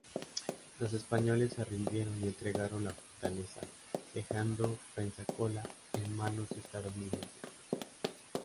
Los españoles se rindieron y entregaron la fortaleza, dejando Pensacola en manos estadounidenses.